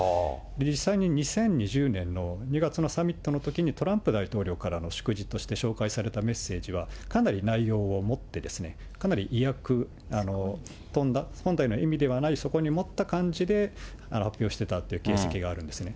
実際に２０２０年の２月のサミットのときにトランプ大統領からの祝辞として、紹介されたメッセージは、かなり内容を盛って、かなり意訳、本来の意味ではない、そこに盛った感じで発表してたって形跡があるんですね。